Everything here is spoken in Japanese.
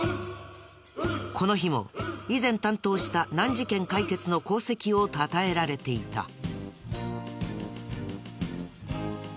この日も以前担当した難事件解決の功績をたたえられていた。